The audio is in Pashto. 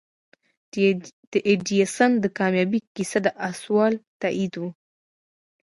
د ايډېسن د کاميابۍ کيسه دا اصول تاييدوي.